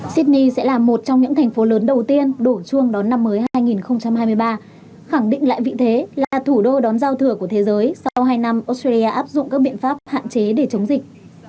sydney sẽ là một trong những thành phố lớn đầu tiên đổ chuông đón năm mới hai nghìn hai mươi ba khẳng định lại vị thế là thủ đô đón giao thừa của thế giới sau hai năm australia áp dụng các biện pháp hạn chế để chống dịch